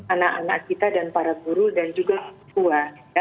anak anak kita dan para guru dan juga tua